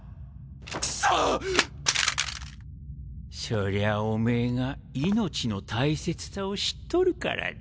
そりゃおめぇが命の大切さを知っとるからだ。